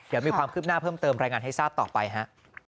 เดี๋ยวมีความคืบหน้าเพิ่มเติมรายงานให้ทราบต่อไปฮะ